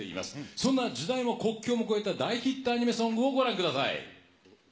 そんな時代も国境も越えた大ヒットアニメソングをご覧ください。